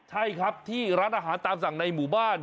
ใช่ครับที่ร้านอาหารตามสั่งในหมู่บ้าน